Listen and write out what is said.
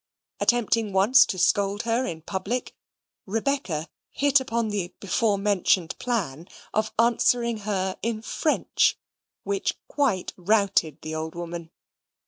Attempting once to scold her in public, Rebecca hit upon the before mentioned plan of answering her in French, which quite routed the old woman.